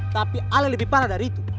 tapi ali lebih parah dari itu